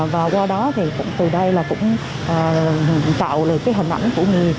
và qua đó thì từ đây là cũng tạo lại cái hình ảnh của người